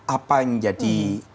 apa yang jadi